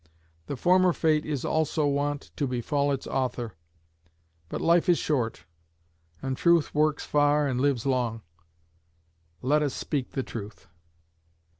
The former fate is also wont to befall its author. But life is short, and truth works far and lives long: let us speak the truth.